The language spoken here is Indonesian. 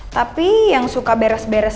tapi yang suka beres beres